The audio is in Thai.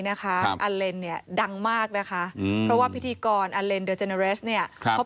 นี่คงเป็นทีมสุดท้ายที่สุดในโลก